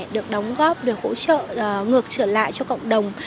được đóng góp được hỗ trợ ngược trở lại cho cộng đồng